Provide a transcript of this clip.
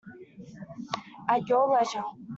At your leisure.